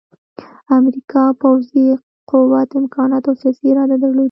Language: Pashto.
امریکا پوځي قوت، امکانات او سیاسي اراده درلوده